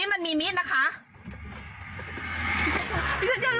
มันขึ้นอะไรเลยพี่